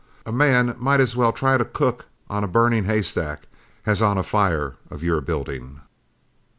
A man might as well try to cook on a burning haystack as on a fire of your building."